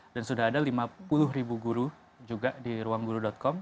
dan sudah ada lima puluh ribu guru juga di ruangguru com